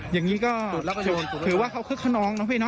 อย่างนี้ก็ถือว่าเขาคือคนนองนะเว้ย